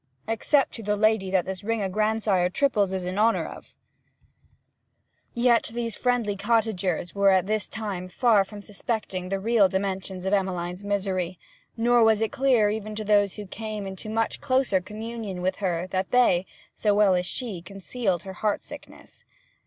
'Except to the lady that this ring o' grandsire triples is in honour of.' Yet these friendly cottagers were at this time far from suspecting the real dimensions of Emmeline's misery, nor was it clear even to those who came into much closer communion with her than they, so well had she concealed her heart sickness.